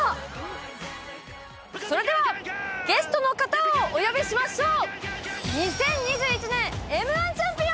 それではゲストの方をお呼びしましょう。